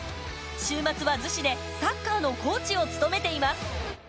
週末は子でサッカーのコーチを務めています